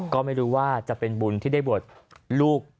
ก็ไม่รู้ว่าจะเป็นบุญที่ได้บวชลูก